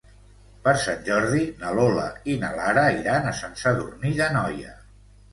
Per Sant Jordi na Lola i na Lara iran a Sant Sadurní d'Anoia.